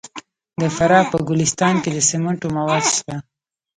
د فراه په ګلستان کې د سمنټو مواد شته.